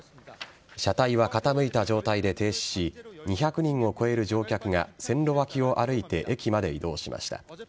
車体は傾いた状態で停止し、２００人を超える乗客が線路脇を歩いて駅まで移動しました。